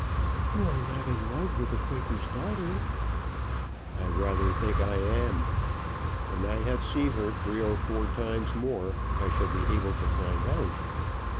"You are not in love with the Quaker's daughter?" "I rather think I am. When I have seen her three or four times more, I shall be able to find out.